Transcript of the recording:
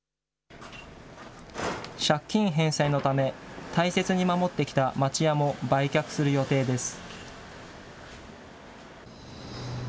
借金返済のため、大切に守ってきた町家も売却する予定です。